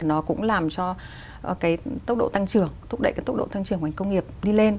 nó cũng làm cho cái tốc độ tăng trưởng thúc đẩy cái tốc độ tăng trưởng của ngành công nghiệp đi lên